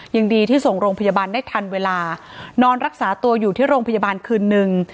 ยังดีที่ส่งโรงพยาบาลได้ทันเวลานอนรักษาตัวอยู่ที่โรงพยาบาลคืนนึง